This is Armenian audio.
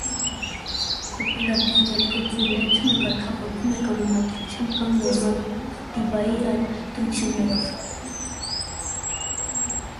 Կոոպերատիվների գործունեությունը կարգավորվում է կանոնադրությամբ կամ նորմատիվային այլ դրույթներով։